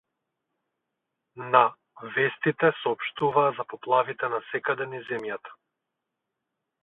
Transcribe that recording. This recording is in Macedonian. На вестите соопштуваа за поплавите насекаде низ земјата.